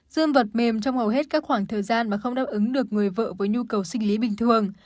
dương vật mềm trong hầu hết các khoảng thời gian mà không đáp ứng được người vợ với nhu cầu sinh lý bình thường